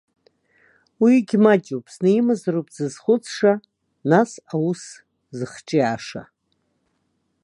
Уигь маҷуп, зны имазароуп дзызхәыцша, нас аус зыхҿиааша.